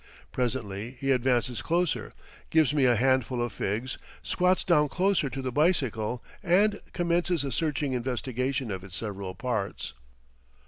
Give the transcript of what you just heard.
Presently he advances closer, gives me a handful of figs, squats down closer to the bicycle, and commences a searching investigation of its several parts.